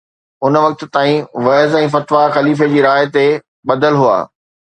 ان وقت تائين وعظ ۽ فتوا خليفي جي راءِ تي ٻڌل هئا